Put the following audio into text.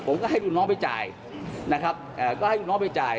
ผมก็ให้ลูกน้องไปจ่ายนะครับก็ให้ลูกน้องไปจ่าย